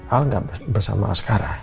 al gak bersama askara